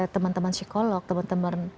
teman teman psikolog teman teman